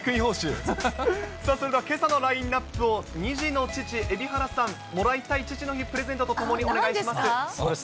さあ、それではけさのラインナップを２児の父、蛯原さん、もらいたい父の日プレゼントとともにお願いします。